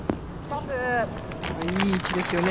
いい位置ですよね。